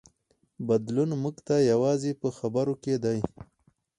بدلون موږ ته یوازې په خبرو کې دی.